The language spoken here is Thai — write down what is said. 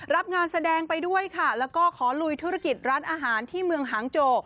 รับงานแสดงไปด้วยค่ะแล้วก็ขอลุยธุรกิจร้านอาหารที่เมืองหางโจ